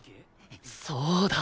そうだ！